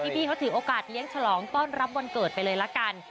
พี่เขาถือโอกาสเลี้ยงฉลองต้อนรับวันเกิดไปเลยละกัน